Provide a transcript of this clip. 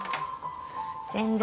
全然。